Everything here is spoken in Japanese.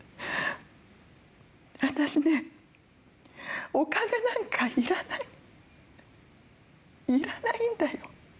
私ね、お金なんかいらないいらないんだよ。